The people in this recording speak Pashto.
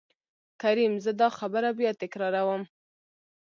کريم :زه دا خبره بيا تکرار وم.